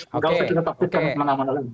nggak usah kita takutkan kemana mana lagi